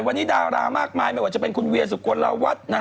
วันนี้ดารามากมายจะเป็นคุณเวียสุโกราวัตน์